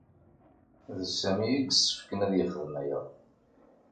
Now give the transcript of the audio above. D Sami i yessefken ad yexdem aya.